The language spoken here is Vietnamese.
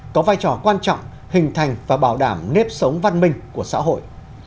có vai trò quan trọng hình thành và bảo đảm nếp sống văn minh của xã hội